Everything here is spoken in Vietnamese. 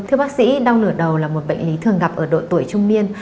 thưa bác sĩ đau nửa đầu là một bệnh lý thường gặp ở độ tuổi trung niên